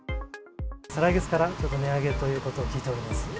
再来月から、ちょっと値上げということを聞いております。